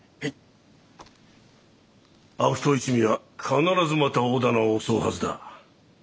悪党一味は必ずまた大店を襲うはずだ。